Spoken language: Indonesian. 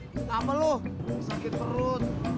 kenapa lo sakit perut